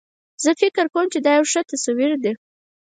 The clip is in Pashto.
زه فکر کوم چې دا یو ښه تصویر ده